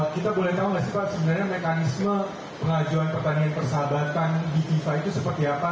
kita boleh tahu gak sih pak sebenarnya mekanisme pengajuan pertanian persahabatan di tifa itu seperti apa